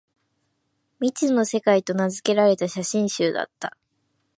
「未知の世界」と名づけられた写真集だった